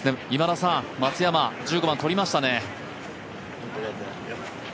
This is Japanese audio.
今田さん、松山１５番取りましたね。